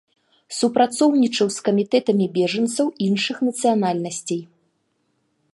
Супрацоўнічаў з камітэтамі бежанцаў іншых нацыянальнасцей.